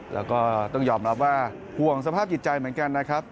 แล้วก็ต้องยอมรับว่าห่วงสภาพจิตใจเหมือนกันนะครับ